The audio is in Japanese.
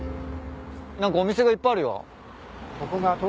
何かお店がいっぱいあるよ。